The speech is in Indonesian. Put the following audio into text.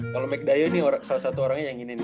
kalo mcdayo ini salah satu orangnya yang ini nih